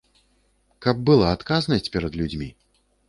Каб была адказнасць перад людзьмі.